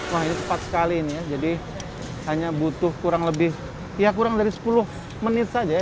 wah itu tepat sekali ini ya jadi hanya butuh kurang lebih ya kurang dari sepuluh menit saja ya